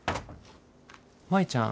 舞ちゃん？